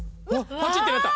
パチッてなった！